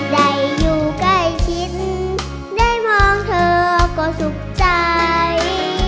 ได้อยู่ใกล้ชิดได้มองเธอก็สุขใจ